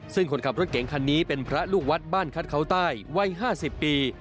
ซึ่งคนขับรถเก๋งคันนี้เป็นพระลูกวัดบ้านคัดเขาใต้วัย๕๐ปี